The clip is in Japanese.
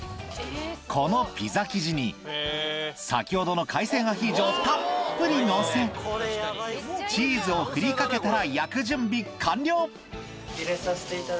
このピザ生地に先ほどの海鮮アヒージョをたっぷりのせチーズをふりかけたら焼く準備完了！